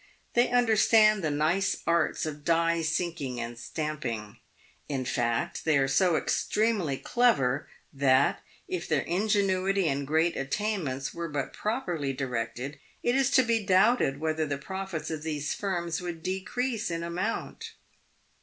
They understand the nice arts of die sinking and stamping. In fact, they are so extremely clever, that, if their ingenuity and great attainments were but properly directed, it is to be doubted whether the profits of these firms would decrease in amount.